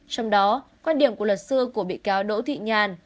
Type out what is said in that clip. trong đó quan điểm của luật sư của bị cáo đỗ thị nhàn